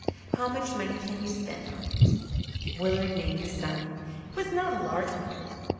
How much money can you spend on it?" Willard named the sum. It was not a large one.